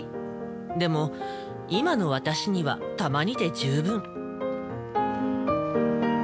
でも今の私にはたまにで十分。